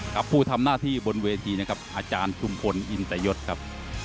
ผู้ทำหน้าที่บนเวทีนะครับอาจารย์ชุมพลอินตยศครับ